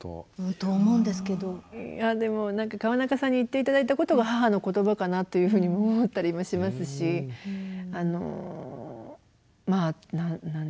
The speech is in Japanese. でも何か川中さんに言って頂いたことが母の言葉かなというふうに思ったりもしますしまあ何でしょうね。